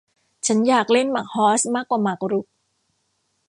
ฉันอยากเล่นหมากฮอสมากกว่าหมากรุก